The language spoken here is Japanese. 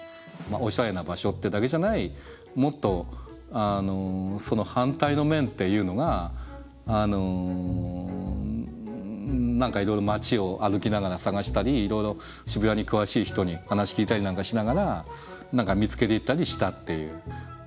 おしゃれな場所ってだけじゃないもっとその反対の面っていうのが何かいろいろ街を歩きながら探したりいろいろ渋谷に詳しい人に話聞いたりなんかしながら何か見つけていったりしたっていう。